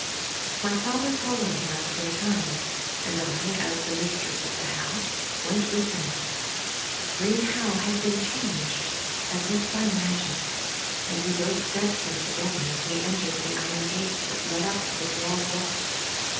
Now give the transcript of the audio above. My father called on him after a time ; and I, as the mistress of the house, went with him. Green Howe had been changed, as if by ma gic, and we both said so together, as we en tered the iron gates that led up the broad walk.